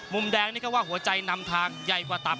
มุมแดงนี่ก็ว่าหัวใจนำทางใหญ่กว่าต่ำ